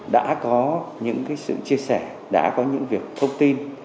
đã có những sự chia sẻ đã có những việc thông tin